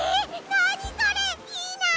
なにそれいいな！